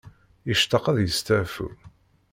Yectaq ad yesteɛfu.